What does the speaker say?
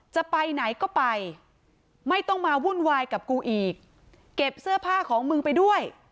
จะไปไหนก็ไปไม่ต้องมาวุ่นวายกับกูอีกเก็บเสื้อผ้าของมึงไปด้วย